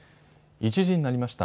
１時になりました。